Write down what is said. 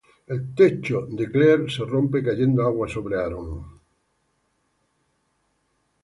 El techo de Claire se rompe, cayendo agua sobre Aaron.